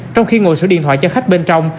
trong khi ngồi sửa điện thoại cho khách bên trong